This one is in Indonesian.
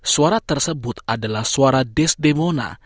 suara tersebut adalah suara desdemona